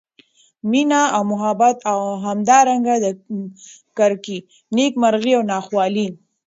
مېنه او محبت او همدا رنګه د کرکي، نیک مرغۍ او نا خوالۍ